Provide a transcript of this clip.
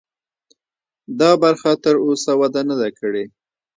دا برخه تراوسه وده نه ده کړې.